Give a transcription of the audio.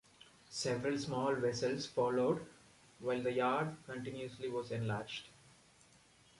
Several small vessels followed, while the yard continuously was enlarged.